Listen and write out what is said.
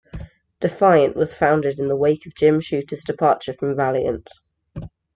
Defiant was founded in the wake of Jim Shooter's departure from Valiant.